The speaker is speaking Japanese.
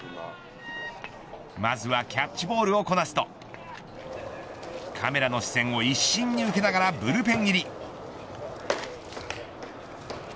まずはキャッチボールをこなすとカメラの視線を一身に受けながらブルペン入り。